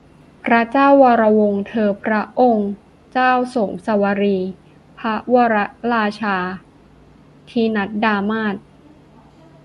พระเจ้าวรวงศ์เธอพระองค์เจ้าโสมสวลี พระวรราชาทินัดดามาตุ